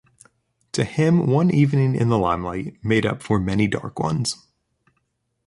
To him one evening in the limelight made up for many dark ones.